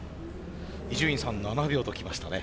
伊集院さん７秒ときましたね。